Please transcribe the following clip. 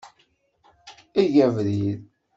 Eg abrid.